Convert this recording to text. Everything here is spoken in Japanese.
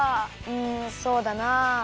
うんそうだなあ。